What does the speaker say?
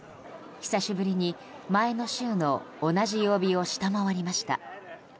久しぶりに前の週の同じ曜日を下回りました。